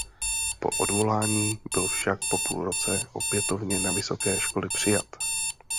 Po odvolání byl však po půl roce opětovně na vysoké školy přijat.